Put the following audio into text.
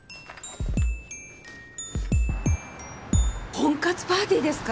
婚活パーティーですか？